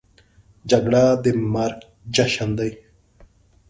جګړه د مرګ جشن دی